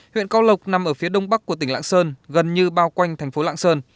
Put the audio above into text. huyện cao lộc nằm ở phía đông bắc của tỉnh lạng sơn gần như bao quanh thành phố lạng sơn